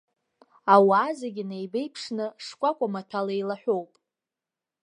Ауаа зегьы неибынеиԥшны шкәакәа маҭәала еилаҳәоуп.